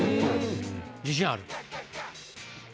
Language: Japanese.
自信ある？